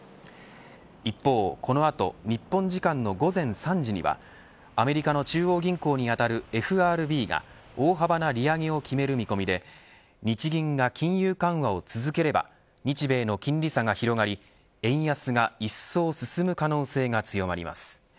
一方、この後日本時間の午前３時にはアメリカの中央銀行に当たるＦＲＢが大幅な利上げを決める見込みで日銀が金融緩和を続ければ日米の金利差が広がり円安がいっそう進む可能性が強まります。